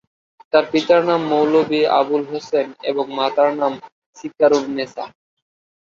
তার পিতার নাম মৌলভী আবুল হোসেন এবং মাতার নাম সিকারুননেসা।